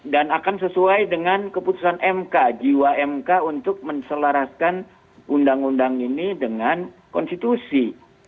dan akan sesuai dengan keputusan mk jiwa mk untuk menselaraskan undang undang ini dengan konstitusi